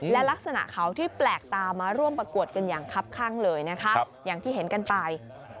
และลักษณะเขาที่แปลกตามาร่วมประกวดกันอย่างคับข้างเลยนะคะอย่างที่เห็นกันไป